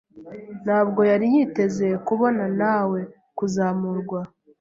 ntabwo yari yiteze kubonawe kuzamurwa.